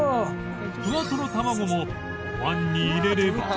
ふわとろたまごもおわんに入れれば